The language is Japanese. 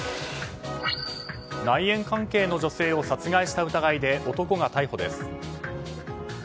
内縁関係の女性を殺害した疑いで男が逮捕です。